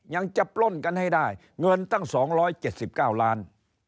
ยังจะปล้นกันให้ได้เงินตั้ง๒๗๙ล้าน